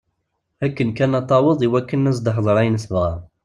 Akken kan ad taweḍ iwakken ad as-d-tehder ayen tebɣa.